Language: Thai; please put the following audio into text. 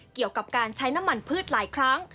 เกี่ยวกับการใช้น้ำมันพืชหลายครั้ง